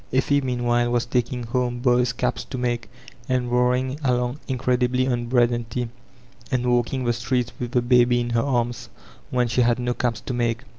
Effie, meanwhile, was taking home boys' caps to make, and worrying along incredibly oo bread and tea, and walking the streets with the baby in her arms wRcn she had no caps to make.